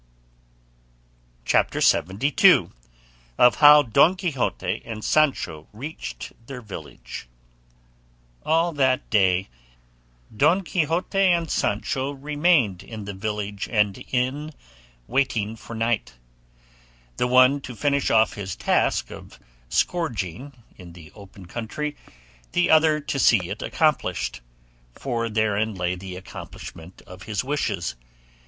CHAPTER LXXII. OF HOW DON QUIXOTE AND SANCHO REACHED THEIR VILLAGE All that day Don Quixote and Sancho remained in the village and inn waiting for night, the one to finish off his task of scourging in the open country, the other to see it accomplished, for therein lay the accomplishment of his wishes.